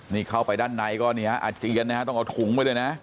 นี่เข้าไปด้านในก็เนี่ยอาเจียนนะฮะต้องเอาถุงไปเลยนะ